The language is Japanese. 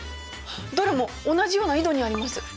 どれも同じような緯度にあります。